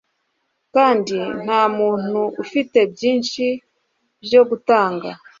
kandi ntamuntu ufite byinshi byo gutanga